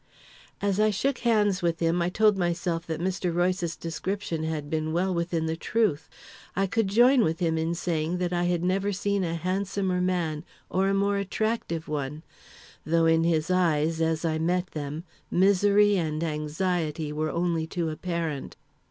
As I shook hands with him, I told myself that Mr. Royce's description had been well within the truth. I could join with him in saying that I had never seen a handsomer man or a more attractive one, though in his eyes, as I met them, misery and anxiety were only too apparent.